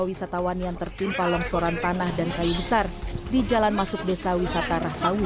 wisatawan yang tertimpa longsoran tanah dan kayu besar di jalan masuk desa wisata rahawi